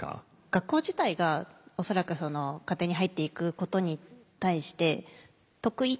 学校自体が恐らく家庭に入っていくことに対して得意